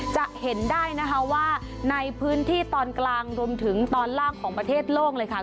จะเห็นได้นะคะว่าในพื้นที่ตอนกลางรวมถึงตอนล่างของประเทศโลกเลยค่ะ